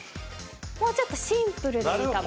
もうちょっとシンプルでいいかも。